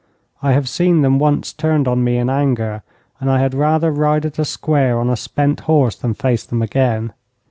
I have seen them once turned on me in anger, and I had rather ride at a square on a spent horse than face them again.